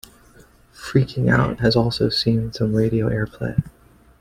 "Freaking Out" has also seen some radio airplay.